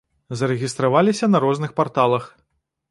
Зарэгістраваліся на розных парталах.